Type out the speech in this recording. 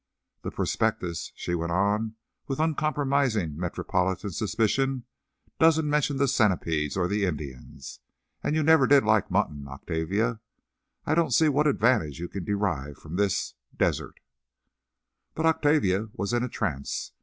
"The prospectus," she said, with uncompromising metropolitan suspicion, "doesn't mention the centipedes, or the Indians. And you never did like mutton, Octavia. I don't see what advantage you can derive from this—desert." But Octavia was in a trance.